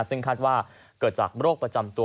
ซึ่งคาดว่าเกิดจากโรคประจำตัว